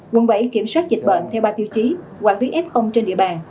quận bảy kiểm soát dịch bệnh theo ba tiêu chí quản lý f trên địa bàn